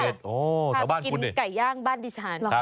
ทำกินไก่ย่างบ้านดิฉัน